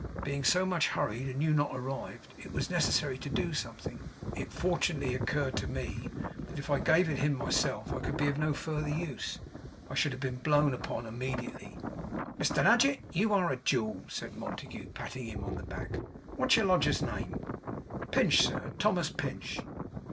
Being so much hurried, and you not arrived, it was necessary to do something. It fortunately occurred to me, that if I gave it him myself I could be of no further use. I should have been blown upon immediately.' 'Mr Nadgett, you are a jewel,' said Montague, patting him on the back. 'What's your lodger's name?' 'Pinch, sir. Thomas Pinch.